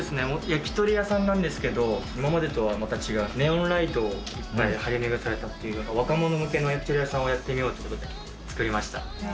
焼き鳥屋さんなんですけど、今までとはまた違う、ネオンライトが張り巡らされたっていう、若者向けの焼き鳥屋さんをやってみようということで作りました。